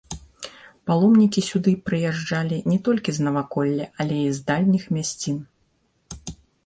Паломнікі сюды прыязджалі не толькі з наваколля, але і з дальніх мясцін.